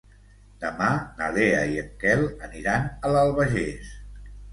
Demà na Lea i en Quel aniran a l'Albagés.